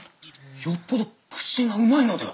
よっぽど口がうまいのでは。